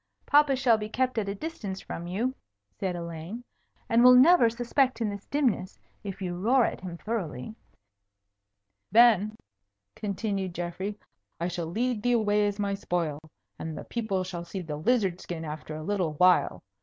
"Papa shall be kept at a distance from you," said Elaine, "and will never suspect in this dimness, if you roar at him thoroughly." "Then," continued Geoffrey, "I shall lead thee away as my spoil, and the people shall see the lizard skin after a little while.